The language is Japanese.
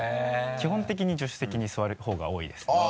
基本的に助手席に座る方が多いです。